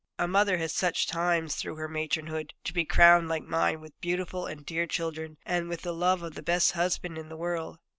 A mother has such times, though her matronhood be crowned like mine with beautiful and dear children, and with the love of the best husband in the world.